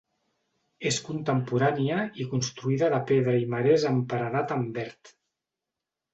És contemporània i construïda de pedra i marès amb paredat en verd.